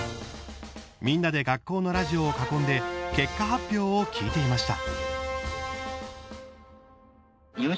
みんなで学校のラジオを囲んで結果発表を聞いていました。